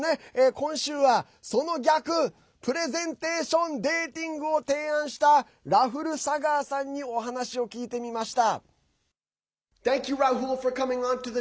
今週はその逆、プレゼンテーション・デーティングを提案したラフル・サガーさんにお話を聞いてみました。